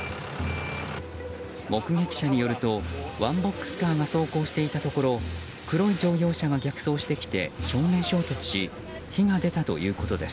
目撃者によるとワンボックスカーが走行していたところ黒い乗用車が逆走してきて正面衝突し火が出たということです。